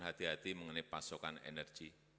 hati hati mengenai pasokan energi